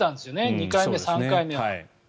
２回目、３回目は。